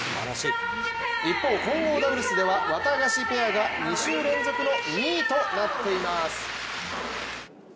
一方、混合ダブルスではワタガシペアが２週連続の２位となっています。